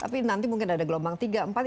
tapi nanti mungkin ada gelombang tiga empat